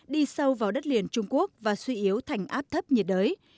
đi sâu vào đất liền trung quốc và suy yếu thành áp thấp nhiệt đới